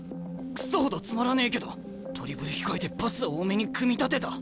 くそほどつまらねえけどドリブル控えてパスを多めに組み立てた！